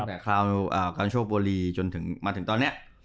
ตั้งแต่คราวการโชคโบรีจนมาถึงตอนนี้